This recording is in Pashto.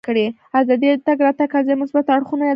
ازادي راډیو د د تګ راتګ ازادي د مثبتو اړخونو یادونه کړې.